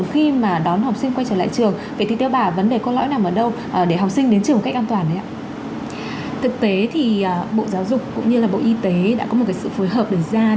khi mà con họ quay trở lại việc học trực tiếp